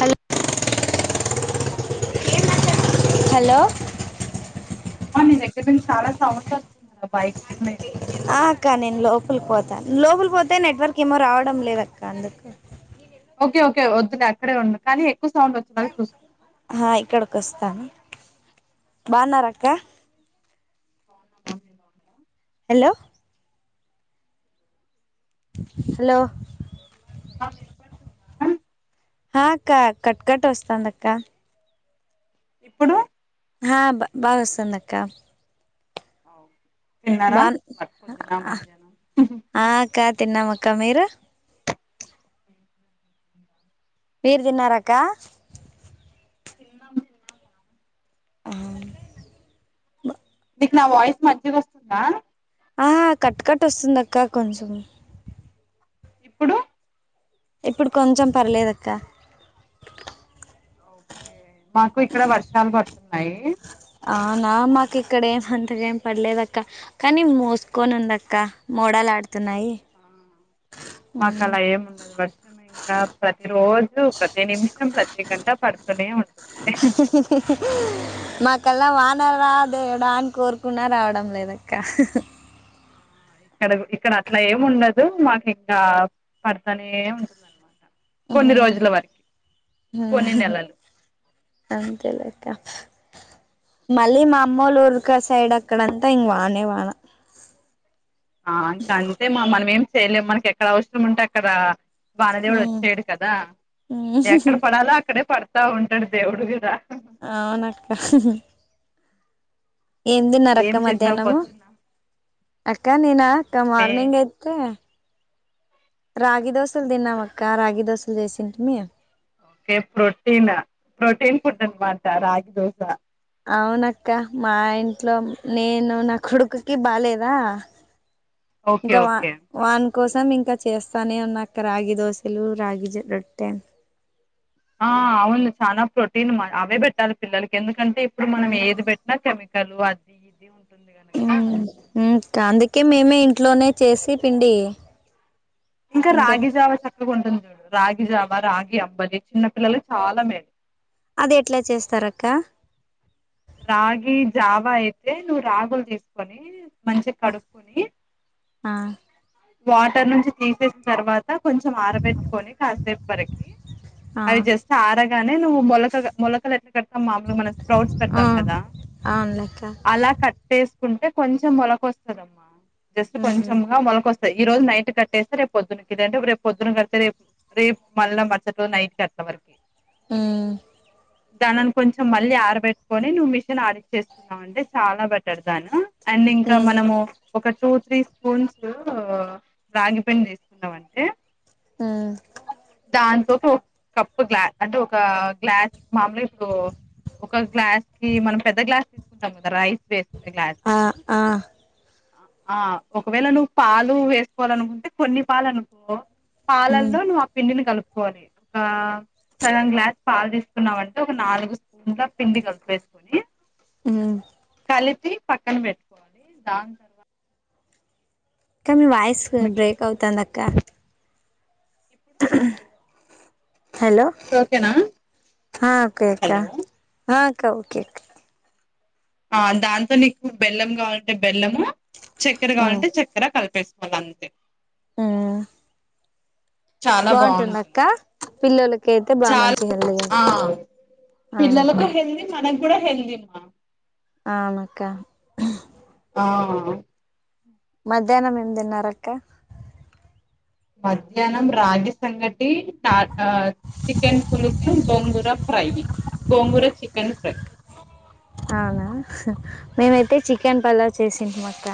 Hello hello hello అమ్మ నీ దగ్గర నుంచి చాలా సౌండ్ వస్తున్నాయి బైక్ సౌండ్ ఏమో ఆ అక్క నేను లోపలి పోతా లోపలికి పోతే నెట్వర్క్ ఏమో రావడం లేదక్క అందుకు ఓకే ఓకే వద్దులే అక్కడే ఉండు కానీ ఎక్కువ సౌండ్ వచ్చేలాగా చూసుకో ఆ ఇక్కడకి వస్తాను బాగున్నారా అక్క బాగున్నామా మీరు బాగున్నారా హలో హలో మా వినపడుతుందా హా అక్క కట్కట్ వస్తాంది అక్క ఇప్పుడు హా బా బాగా వస్తుంది అక్క ఆ ఓకే తిన్నారా బాగున్ మరి పొద్దున ఆ మధ్యాహ్నం అక్క తిన్నాం అక్క మీరు మీరు తిన్నారాక్క తిన్నాం తిన్నామా ఆ నీకు నా వాయిస్ మంచిగొస్తుందా ఆహా కట్కట్ వస్తుంది అక్క కొంచం ఇప్పుడు ఇప్పుడు కొంచెం పర్లేదక్క ఓకే మాకు ఇక్కడ వర్షాలు పడుతున్నాయి అవునా మాకు ఇక్కడ ఏం అంతగా ఏం పడలేదక్క కానీ మోసుకోని ఉందక్క మోడలు ఆడు ఆ, మాకు అలా ఏముండదు వర్షమ ఇంకా ప్రతి రోజు ప్రతి నిమిషం ప్రతి గంట పడుతూనే ఉం మ మాకల్లా వానరా దేవుడా అని కోరుకున్నా రావడం లేదక్క ఆ! ఇక్కడ ఇక్కడ అట్లా ఏం ఉండదు మాకు ఇంకా పడతనే ఉంటుంది అనమాట ఉహ్మ్ కొన్ని నెలలు అంతేలేక్క మళ్ళీ మా అమ్మోలు ఉరికసైడ్ అక్కడంతా ఇంగ్ వానే వాన ఆ ఇంకా అంతే మా మనం ఏం చేయలేం మనకి ఎక్కడ అవసరం ఉంటే అక్కడ వాణదేవుడు వచ్చేయడు కదా ఎక్కడ పడాలో అక్కడే పడ తా ఉంటడు దేవుడు కూడా అవునక్క ఏం ఏం తిన్నారాక్క చేసావు మధ్యాహ్నము పొద్దున్న అక్క నేనా ఇంకా మే మార్నింగ్ అయితే రాగి దోశలు తిన్నాం అక్క రాగి దోశలు చేసింటిమి ఓకే ప్రోటీన్ ప్రోటీన్ ఫుడ్ అనమాట రాగి దోస అవునక్క మా ఇంట్లో నేను నా కొడుకుకి బాలేదా ఓకే ఇంకా వా ఓకే వాన్ కోసం ఇంకా చేస్తానే ఉన్నాక్క రాగి దోశలు రాగి జ రొట్టె ఆ అవును చల ప్రోటీన్ అవే పెట్టాలి పిల్లలకి ఎందుకు అంటే ఇప్పుడు మనం ఏది పెట్టినా కెమికల్ అది ఇది ఉ అందుకే మేమే ఇంట్లోనే చేసి పిండి ఇంకా రాగి జావ చక్కగా ఉంటుంది రాగిజామ రాగి అంబలి చిన్న పిల్లలకు చాలా మేలు అది ఎట్లా చేస్తార అక్క రాగి జావా అయితే నువ్వు రాగులు తీసుకొని మంచిగా కడుక్కుొని ఆ వాటర్ నుంచి తీసేసిన తర్వాత కొంచెం ఆరబెట్టుకొని కాసేపు వరకి ఆ అవి జస్ట్ ఆరగానే నువ్వు మొలక మొలకలు ఎట్లా కడతాం మామలు మనం స్ప్రౌట్స్ పెడతాం కదా అవును అలా కట్టేసుకుంటే కొంచెం మొలకొస్తదమ్మా జస్ట్ ఉమ్ కొంచెంగా మొలకొస్తు ఈ రోజు నైట్ కట్టేస్తే పొద్దున్న కంటే రేపు పొద్దున్న కడితే రేపు రేపు మళ్ల మచ్చట్లు నైట్ కట్టా వారికీ ఉ దానిని కొంచెం మళ్ళీ ఆరపెట్టుకొని నువ్వు మిషన్ ఆడి చేసున్నావండి చాలా బెటర్ దాను అండ్ ఇంకా ఉమ్ మనము ఒక టూ త్రీ స్పూన్స్ ఆ రాగి పని చేసుకున్నామంటే ఊ దాంతో ఒక కప్పు గ్లాస్ అంటే ఒక గ్లాస్ మామలుగా ఇప్పుడు ఒక గ్లాస్ కి మనం పెద్ద గ్లాస్ తీసుకుంటాం కదా రైస్ వేసుకునే గ్లాస్ ఆ కి ఆ ఆ ఒకవేళ నువ్వు పాలు వేసుకోవాలనుకుంటే కొన్ని పాలు అనుకో పాల ఉమ్ పిండిని కలుపుకోవాలి ఒక సగం గ్లాస్ పాలు తీసుకున్నామంటే ఒక నాలుగు స్పూన్ గా పిండి కలిప వేసుకుని ఉ కలిపి పక్కన పెట్టుకోవాలి దాని తర్వాత కా మీ వాయిస్ మిక్సీ బ్రేక్ చేసుకొని అవుతాందక్క ఇప్పుడు ఇప్పుడు ఓకేనా హలోఆ ఒకే హలో అక్క [unintelligible] ఆ దాంతో నీకు బెల్లం కావాలంటే బెల్లము చక్కెర కావాలంటే చక్కెర కలిపేస్త వలా అంతే ఉ బాగుంటుంది అక్క పిల్లలకి చాలా ఆ ఆహా పిల్లలకు ఎల్దీ ద మన కూడా హెల్దీమ్మా ఆమెక్క ఆ మధ్యాహ్నం ఎమ్ది నరక్క మధ్యాహ్నం రాగి సంగటి చికెన్ పులుసు గొంగూర హై గోంగుర చికెన్ ఫ్రై అవునా మేమైతే చికెన్ పలావ్ చేసింటిమక్క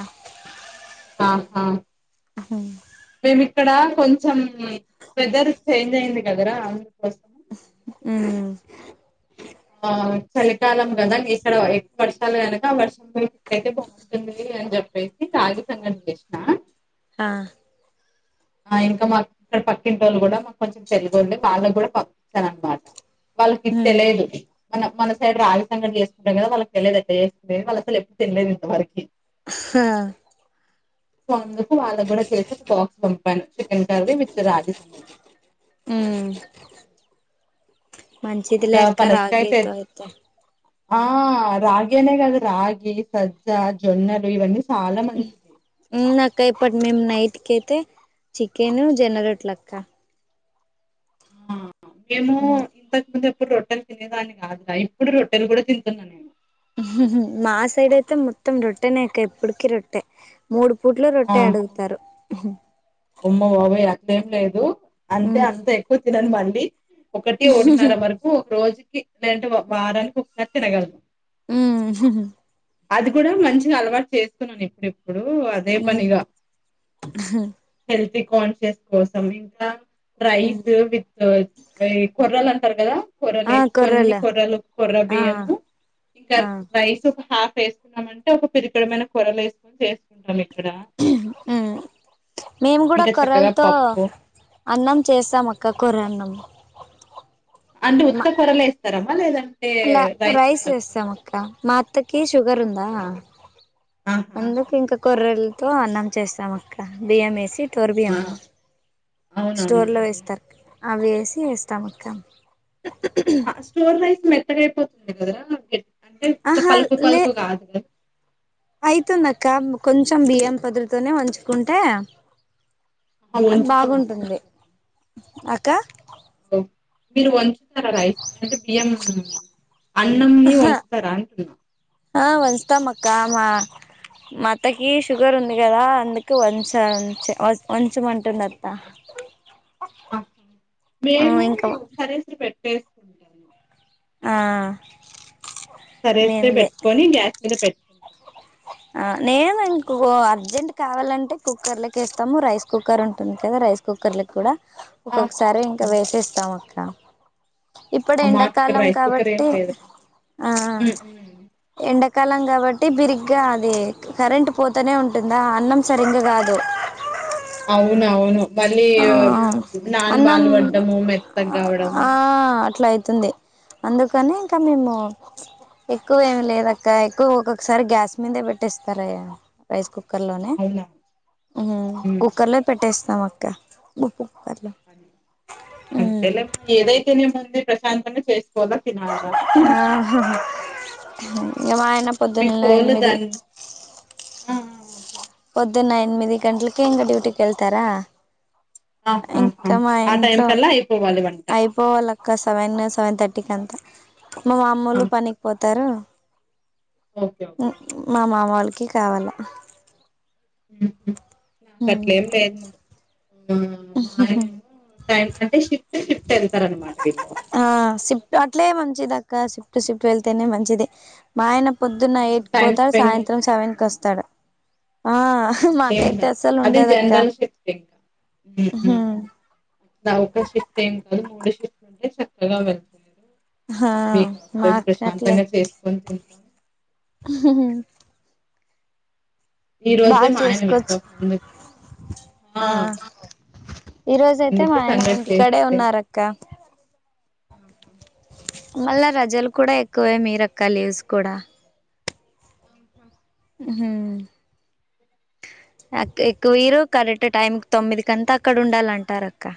ఆహా అ మేము ఇక్కడ కొంచెం వెదర్ చేంజ్ అయింది కదరా అందు కోసం ఊ ఆ చలికాలం కదా ఇక్కడ ఎక్కువ వర్షాలు కనుక ఆ వర్షం ఇ [unintelligible] యితే బాగుంటుంది అని చెప్పేసి సాగితంగం చేసిన ఆ ఆ ఇంకా మాకు ఇక్కడ పక్కింటోళు కూడా మాకు కొంచెం తెలుగు ఉండి వాళ్ళకి కూడా పంపిస్తాను అనమాట ఉమ్ వాళ్ళకితెలిదు మన మన సైడ్ రాగిసంగటి చేసుకుంటాం కదా వాళ్ళకి తెలిదు ఎట్లా చే వాళ్ళ అసలు ఎ తినలేదు ఇంత వరకి హ సో అందుకు వాళ్ళకు కూడా చేసి ఒక బాక్స్ పంపాను చికెన్ కర్రీ విత్ రాగి సంగటి ఊ మంచిదిలే ఇంకా అక్క పనసకాయ తె రాగితో అయితే ఆ రగి అనే కాదు రగి సజ్జా జొన్నలు ఇవన్నీ చాలా మంచివి ఊ అక్క ఇప్పటి మేము నైట్ కయితే చికెను జొనరొటలక్క ఆ మేము ఇంతకు ముందు ఎప్పుడు రొట్టెలు తినేదాన్ని కాదు రా ఇప్పుడు రొట్టెలు కూడా తింటున్నా నేను మా సైడ్ అయితే మొత్తం రొట్టెనేక ఎప్పుడుకి రొట్టె మూడు పూట్ల రొట్టే ఆ అడుగుతారు అమ్మ బాబోయ అట్ల ఏం లేదు అంతె ఉమ్ అంత ఎక్కువ తినను మండీ ఒకటి ఒకటిన్నర వరకు రోజుకి లేదంటే వారానికి ఒకసారి తినగలుతాం ఊ అది కూడా మంచిగా అలవాటు చేసుకున్నాను ఇప్పుడుప్పుడు అదే ఉమ్ పనిగా హెల్తీ కాన్షియస్ కోసం ఇంకా రైస్ విత్ ఈ కొర్రలంట టరు కదా కొర్రలు వేస్ కొన్ని కొర్రలు కొర్ర ఆ బియ్యము ఇంకా ఆ రైస్ ఒక హాఫ్ వేసుకున్నామంటే ఒక పిరికడమైన కొరలు వేసుకొని చేసుకుంటాం ఇక్కడ మ్ మేము కూడా ఇంకా చక్కగా కొర్రలతో పప్పు అన్నం చేస్తాం హ్మ్. అక్క హ్మ్. కొర్రన్నం అ అంటే ఉత్త కొర్రలే ఏస్తారమ్మా లేదం ఇలా రైస్ వేస్తాం అక్క మాత్తకి షుగర్ ఉందా ఆహా అందుకు ఆహా. ఇంక కొర్రల్ తో అన్నం చేస్తాం అక్క బియ్యం వేసి ఇ టోర్ ఆ బియ్యము స్టోర్లో అవునవునులేండి వేస్తారు క అవి వేసి వేస్తామక్క ఆ స్టోర్ రైస్ మెత్తగాపోతుంది కదరా వె ఆహా లే అయితుందక్క కొంచెం బియ్యం పధలతోనే వంచుకుంటే ఆహా అది వంచుతాం అండి బాగుంటుంది అక్క ఒ మీరు వంచుతారా రైస్ అంటే బియ్యం అన్నం ని వొంచుతరా అంటున్నా ఆ వంచుతం అక్క మా మా అత్తకి షుగర్ ఉంది కదా అందుకు వంచంచ వంచు అంటుందక్క ఆహా మేము ఇంకా కరెంట్ పెట్టేసుకుంటము ఆ సరెసురే మేములే పెట్టుకొని గ్యాస్ మీద పెట్టుకుంటాను నేను ఇంకో అర్జెంట్ కావాలంటే కుక్కర్లోకేస్తాము రైస్ కుక్కర్ ఉంటుంది కదా రైస్ కుక్కర్ కుక్కర్లో కూడా ఆహా ఒక్కొక్కసారి ఇంకా ఆహా. వేసేస్తాం అక్క ఇప్పుడు ఆ, మాకు ఇక్కడ ఎండాకాలం రైస్ కుక్కర్ ఏం కాబట్టి లేదురా ఆ ఉ ఉ ఎండ ఎండకాలం కాబట్టి బిరిగ్ ఇగా అది కరెంట్ పోతానే ఉంటుందా అన్నం సరిగ్గా కాదు అవునవును మళ్ళీ ఆ నాన్ బాలు అన్నం పడ్డము మెత్త గావడము స్తుంది అందుకనే ఇంకా మేము ఎక్కువ ఏమి లేదక్క ఎక్కువ ఒక్కొక్కసారి గ్యాస్ మీదే పెట్టేస్తారాయ రైస్ కుక్కర్ కుక్కర్లోనే అవునా. హ్మ్ కుక్కర్లో పెట్టేస్తాం అక్క ఉ అంతేలేమ్మా ఏదైతేనేముంది ప్రశాంతంగా చేస్ కొల తినాలా ఇంగ మా ఆయన మీ పొద్దున్నల కోళ్ళు ఎనిమిది దాని ఆ ఆ ఓకే. పొద్దున ఎనిమిది గంట్లకే ఇంక డ్యూటీికెళ్తారా ఇంక ఆహాహా! మా ఆ టైం ఇంట్లో కల్లా అయిపోవాలి వంట. అయిపోవాలక్క సెవెన్ సెవెన్ థర్టీ థర్టీకంతా మా మామోలు ఆహా! పనికి పోతారు ఓకే. ఓకే. హ్మ్ మా మామ వాళ్ళకి కావాల ఉ నాకు ఉమ్ అట్లేం లేదు మా ఆ మా ఆయన అంటే టైం షిఫ్ట్ షిఫ్ట్ ఎల్తార్ అనమాట వీళ్ళు ఆ సిఫ్ట్ అట్లే మంచిదక్క సిఫ్ట్ సిఫ్ట్ వెళ్తేనే మంచిది మా ఆయన ఆ పొద్దున్న ఎయిట్ కి టైమ్ పోతాడు స్పెండ్ సాయంత్రం సెవెన్ కి చేసినట్టుంటది. వస్తాడు ఆ ఆహా! అట్లేం మాకైతే ఉండదు అసలు ఉండదక్క ఆ ఒక్క షిఫ్ట్ ఏం కాదు మూడు షిఫ్ట్ మూడు షిఫ్ట్ లు చక్కగా వెళ్తారు ఆ మీ కా మాకు అట్లే ప్రశాంతంగా చేసుకొని తినొచ్చు ఈ రోజే బాగా మా ఆయన వీక్ చేసుకోవచ్చు ఆఫ్ అందుకే ఆ ఈ రోజైతే మా అందుకే ఆయన సంగటి చేసి ఇంటికడే చేసాం ఉన్నారక్క మళ్ళా రజలు కూడా ఎక్కువే మీరక్క లీవ్స్ కూడా హ్మ్ అక్క ఎక్కువీరు కరెక్ట్ టైమ్ తొమ్మిది కంతా అక్కడ ఉండాలంటారు అక్క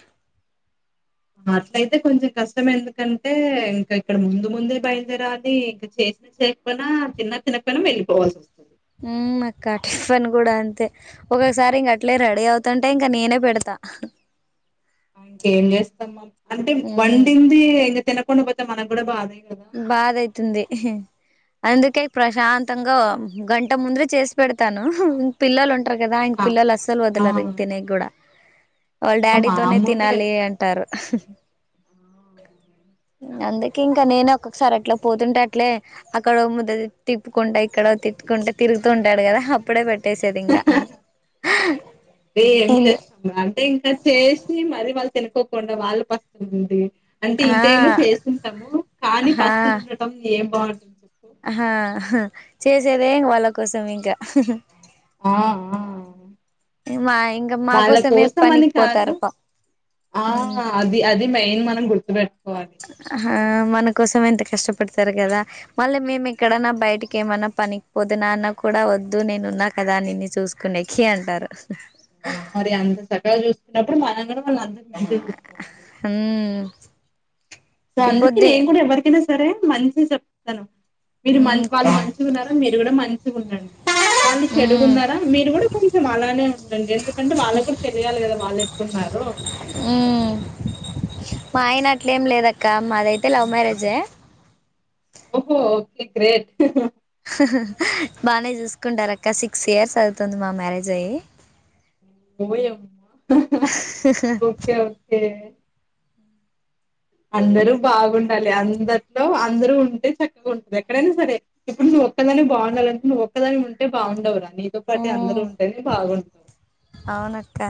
అట్లయితే కొంచెం కష్టమ్ కష్టం ఎందుకంటే ఇంకా ఇక్కడ ముందు ముందే బయలుదేరాలి ఇంకా చేసిన చేయకపోయినా తిన్న తినకపోయినా తినకపోయినా వెళ్లిపోవాల్సొస్తది పని కూడా అంతే ఒొక్కసారి ఇంక అట్లే రెడీ అవుతంటే ఇంకా నేనే పెడతా ఇంకేం చేస్తాంమనమ్ అంటే హ్మ్. వండింది ఇంక తినకుండా పోతే మనకూడా బాదే కదా బాధ అయితుంది అందుకే ప్రశాంతంగా గంట ముందరే చేసి పెడతాను పిల్లలు ఉంట ఉంటర్ కదా ఆ పిల్లలు అస్సలు ఆ వదలరు ఇంగ తినేకి కూడా వాళ్ళ ఇంకా డాడీతోనే మామూలే తినాలి అంటారు అందుకే ఇంకా నేన ఒక్కొక్కసారి అట్లా పోతుంటే అట్లే అక్కడో ముద్ద తిప్పుకుంటా ఇక్కడో తిట్టుకుంటే తిరుతూంటాడు కదా అప్పుడే పెట్టే అంటే ఏం ఏంది చేస్తాం రా అంటే ఇంకా చేసి మరి వాళ్ళ తినకోకుండా వాళ్ళు పస్తులుండి అంటే ఆ ఇంటేమో చేస్తుంటాము. కానీ పస్తులు హా ఉండటం ఏం బాగుంటుంది. చెప్పు ఆహా ఆ చేసేదే వాళ్ళ కోసం ఇంకా ఆ మా ఇంగ మా వాళ్ళ కోసమే కోసం అని పనీకి పోతారు కాదు అప్ప ఆ అది అది మెయిన్ మనం గుర్తుపెట్ ఆహా మన కోసం ఎంత కష్టపడతారు. కదా మళ్ళీ మేము ఎక్కడన్నా బయటకి ఏమన్నా పనికిపోతే నాన్న కూడా వద్దు నేను ఉన్నా కదా నిన్ను చూసుకునేకి అంటారు మరి అంత చక్కగా చూసుకున్నప్పుడు మనన్నీ కూడా వాళ్ళు అంతకు మించే చూసుకోవాలి. ఉమ్ సో అందుకే ఇప్పుద్దే నేను కూడా ఎవరికైనా సరే మంచిగా చెప్తాను. మీరు మం ఉమ్ వాళ్ళు మంచిగా ఉన్నారో మీరు కూడా మంచిగా ఉండండి. వాళ్ళు ఉమ్ చెడుగున్నారా మీరు కూడా కొంచెం అలానే ఉండండి ఎందుకంటే వాళ్ళకు కూడా తెలియాలి కదా వాళ్ళు ఎట్ట ఉన్నరో హలో ఉమ్ మా ఆయన అట్లేం లేదక్క మాదైతే లవ్ మ్యారేజే ఓహో ఓకే గ్రేట్ బాగానే చూసుకుంటారు. అక్క సిక్స్ ఇయర్స్ అవుతుంది. మా మ్యారేజ్ అయ్యి ఓయమ్మా ఓకే ఒకే అందరూ బాగుండాలి. అందట్లో అందరు ఉంటే చక్కగా ఉంటది. ఎక్కడైనా సరే ఇప్పుడు నువు ఒక్కదాని బాగుండాలింటే నువ్వు ఒక్కదనివే ఉంటే బాగుండవురా నీతో పాటు అందరు ఉంటేనే బాగుంటవు అవునక్క